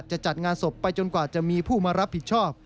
จะจัดงานศพไปจนกว่าจะมีผู้มารับผิดชอบ